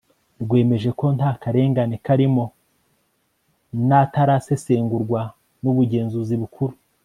rwemeje ko nta karengane karimo n atarasesengurwa n ubugenzuzi bukuru